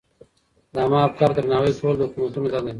د عامه افکارو درناوی کول د حکومتونو دنده ده.